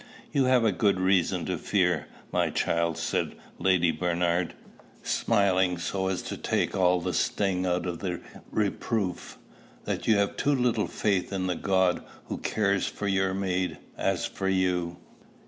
"You have good reason to fear, my child," said Lady Bernard, smiling so as to take all sting out of the reproof, "that you have too little faith in the God who cares for your maid as for you.